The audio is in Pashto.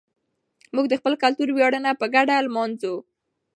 موږ د خپل کلتور ویاړونه په ګډه لمانځو.